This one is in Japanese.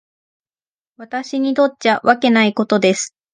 私にとっちゃわけないことです。